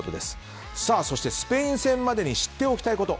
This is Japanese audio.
そしてスペイン戦までに知っておきたいこと。